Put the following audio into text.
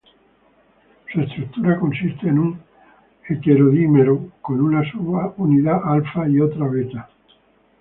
Su estructura consiste en un heterodímero con una subunidad alfa y otra beta.